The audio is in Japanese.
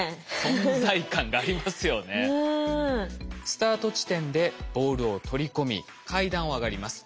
スタート地点でボールを取り込み階段を上がります。